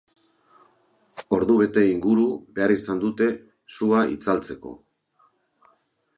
Ordubete inguru behar izan dute sua itzaltzeko.